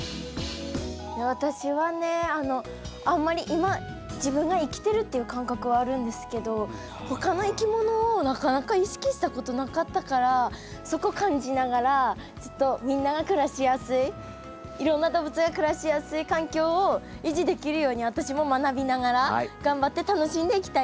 今自分が生きてるっていう感覚はあるんですけど他のいきものをなかなか意識したことなかったからそこ感じながらちょっとみんなが暮らしやすいいろんな動物が暮らしやすい環境を維持できるように私も学びながら頑張って楽しんでいきたいなって思ってます。